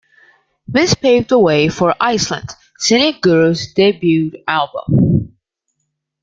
This paved the way for "Iceland"- Cynic Guru's debut album.